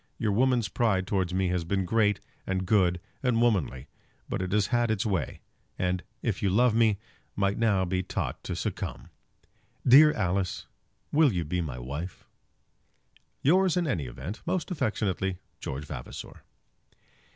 Your woman's pride towards me has been great and good and womanly; but it has had its way; and, if you love me, might now be taught to succumb. Dear Alice, will you be my wife? Yours, in any event, most affectionately, GEORGE VAVASOR.